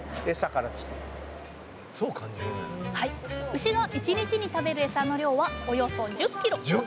牛が１日に食べるエサの量はおよそ１０ｋｇ。